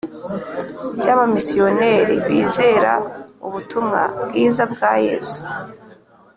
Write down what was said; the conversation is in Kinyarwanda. Y abamisiyoneri bizera ubutumwa bwiza bwa yesu